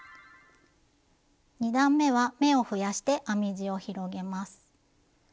２段めは目を増やして編み地を広げます。